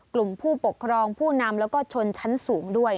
กลุ่มผู้ปกครองผู้นำแล้วก็ชนชั้นสูงด้วย